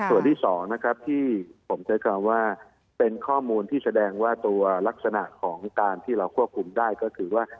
ส่วนที่สองนะครับที่ผมใช้คำว่าเป็นข้อมูลที่แสดงว่าตัวลักษณะของการที่เราควบคุมได้ก็คือว่า